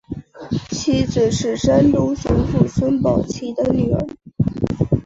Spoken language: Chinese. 妻子是山东巡抚孙宝琦的女儿。